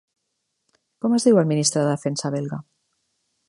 Com es diu el ministre de Defensa belga?